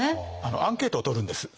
アンケートをとるんです。